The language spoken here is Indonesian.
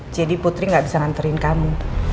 jadi putri gak bisa nganterin kamu